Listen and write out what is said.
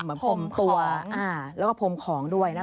เหมือนพรมตัวแล้วก็พรมของด้วยนะ